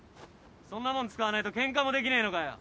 そんなもん使わねえとケンカもできねえのかよ。